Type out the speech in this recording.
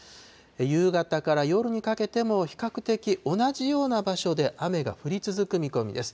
夕方から夜にかけても、比較的同じような場所で雨が降り続く見込みです。